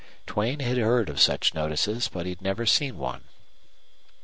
Duane had heard of such notices, but he had never seen one.